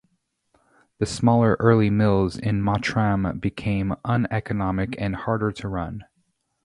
The smaller early mills in Mottram became uneconomic and harder to run.